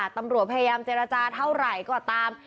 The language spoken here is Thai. ตำรวจพยายามเจรจาเท่าไหร่ก็ตาม